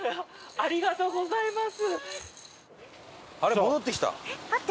ありがとうございます！